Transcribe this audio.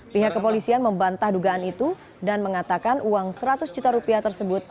pihak kepolisian membantah dugaan itu dan mengatakan uang seratus juta rupiah tersebut